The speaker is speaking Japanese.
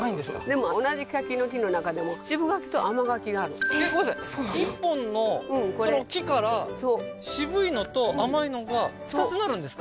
でも同じ柿の木の中でも渋柿と甘柿があるえっごめんなさい１本のその木から渋いのと甘いのが２つ生るんですか？